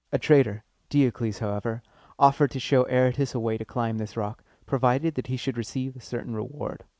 A traitor, Di´o cles, however, offered to show Aratus a way to climb this rock, provided that he should receive a certain reward.